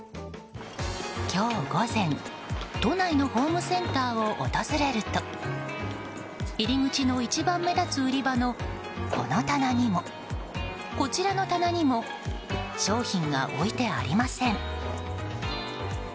今日午前、都内のホームセンターを訪れると入り口の一番目立つ売り場のこの棚にもこちらの棚にも商品が置いてありません。